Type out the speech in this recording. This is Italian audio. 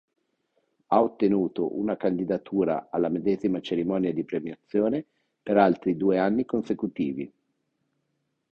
Ha ottenuto una candidatura alla medesima cerimonia di premiazione per altri due anni consecutivi.